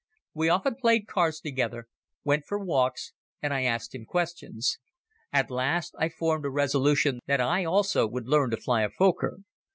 We often played cards together, went for walks and I asked him questions. At last I formed a resolution that I also would learn to fly a Fokker.